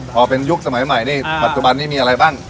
พอเป็นยุคสมัยใหม่นี่ปัจจุบันนี้มีอะไรบ้าง